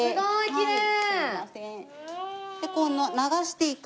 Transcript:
きれい！